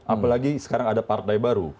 apalagi sekarang ada partai baru